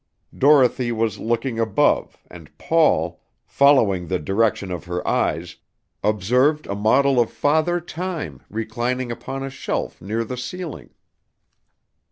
Dorothy was looking above, and Paul, following the direction of her eyes, observed a model of Father Time reclining upon a shelf near the ceiling.